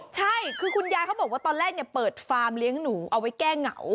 ใช่คือคุณยายเขาบอกว่าตอนแรกเปิดฟาร์มเลี้ยงหนูเอาไว้แก้เหงา